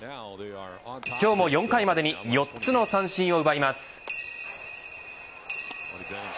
今日も４回までに４つの三振を奪います。